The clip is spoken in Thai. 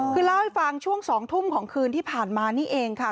คือเล่าให้ฟังช่วง๒ทุ่มของคืนที่ผ่านมานี่เองค่ะ